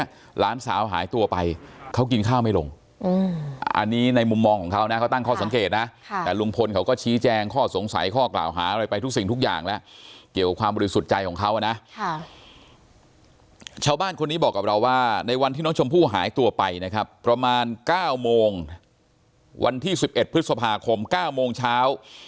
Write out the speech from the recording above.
ประมาณ๙โมงวันที่๑๑พฤศาภาคม๙โมงเช้า